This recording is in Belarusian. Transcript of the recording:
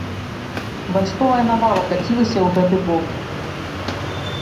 Вайсковая навала кацілася ў гэты бок.